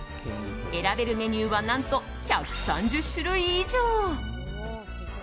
選べるメニューは何と１３０種類以上。